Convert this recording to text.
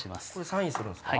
サインするんですか？